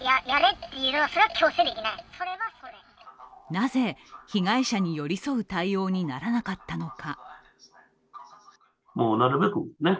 なぜ被害者に寄り添う対応にならなかったのか。